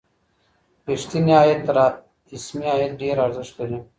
ریښتینی عاید تر اسمي عاید ډېر ارزښت لري.